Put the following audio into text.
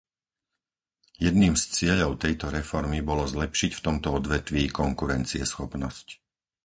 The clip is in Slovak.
Jedným z cieľov tejto reformy bolo zlepšiť v tomto odvetví konkurencieschopnosť.